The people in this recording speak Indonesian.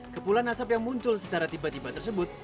kepulan asap yang muncul secara tiba tiba tersebut